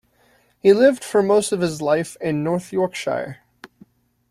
He lived for most of his life in North Yorkshire.